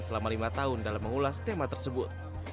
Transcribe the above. selama lima tahun dalam mengulas tema tersebut